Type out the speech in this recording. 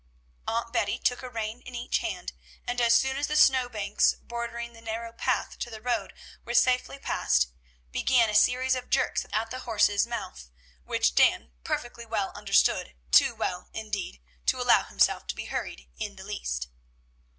Aunt Betty took a rein in each hand, and as soon as the snow banks bordering the narrow path to the road were safely passed, began a series of jerks at the horse's mouth, which Dan perfectly well understood, too well, indeed, to allow himself to be hurried in the least.